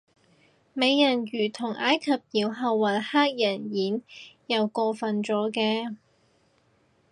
美人魚同埃及妖后搵黑人演又過份咗嘅